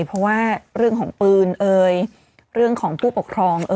เพราะว่าเรื่องของปืนเอ่ยเรื่องของผู้ปกครอง